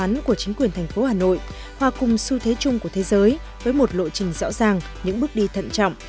trong bối cảnh của chính quyền thành phố hà nội hòa cùng su thế chung của thế giới với một lộ trình rõ ràng những bước đi thận trọng